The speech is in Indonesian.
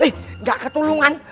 ih nggak ketulungan